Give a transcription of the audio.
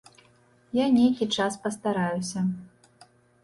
Я нейкі час пастараюся.